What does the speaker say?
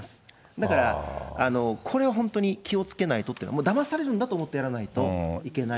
だから、これは本当に気をつけないとって、もうだまされるんだと思ってやらないといけない。